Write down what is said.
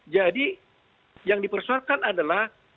jadi yang dipersoalkan adalah